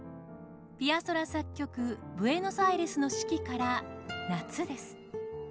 ピアソラ作曲「ブエノスアイレスの四季」から「夏」です。